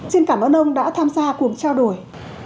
xin cảm ơn ông đã tham gia cuộc trao đổi